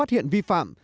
hiện vi phạm